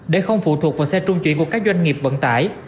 để không phụ thuộc vào xe trung chuyển của các doanh nghiệp vận tải